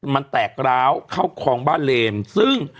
มันแตกร้าวเข้าคลองบ้านเลมซึ่ง